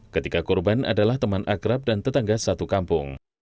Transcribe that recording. ketika korban adalah teman akrab dan tetangga satu kampung